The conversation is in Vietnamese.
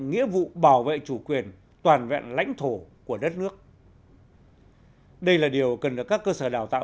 nghĩa vụ bảo vệ chủ quyền toàn vẹn lãnh thổ của đất nước đây là điều cần được các cơ sở đào tạo